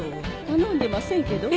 頼んでませんけど。